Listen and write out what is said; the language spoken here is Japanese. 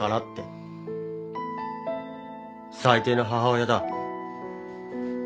最低な母親だ。